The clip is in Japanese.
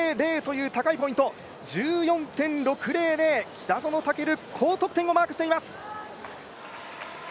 北園丈琉、高得点をマークしています。